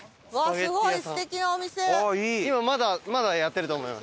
今まだまだやってると思います。